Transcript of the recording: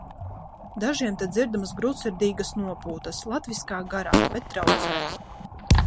Dažiem te dzirdamas grūtsirdīgas nopūtas. Latviskā garā, bet traucē!